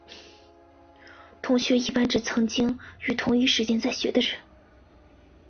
同学一般指曾经于同一时间在学的人。